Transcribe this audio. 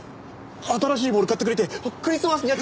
新しいボールを買ってくれてクリスマスには。